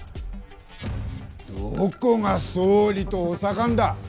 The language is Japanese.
どこが総理と補佐官だ。